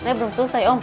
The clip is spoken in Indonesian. saya belum selesai om